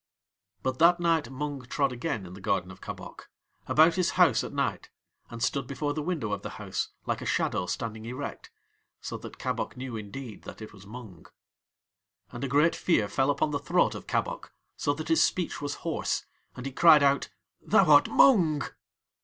But that night Mung trod again in the garden of Kabok, about his house at night, and stood before the window of the house like a shadow standing erect, so that Kabok knew indeed that it was Mung. And a great fear fell upon the throat of Kabok, so that his speech was hoarse; and he cried out: "Thou art Mung!"